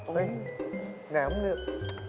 เฮ่ยแหน่มเนือง